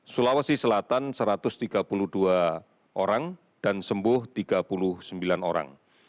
sulawesi selatan satu ratus tiga puluh dua orang dan sembuh tiga puluh sembilan orang